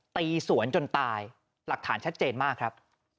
ตีสวนจนตายหลักฐานชัดเจนมากครับ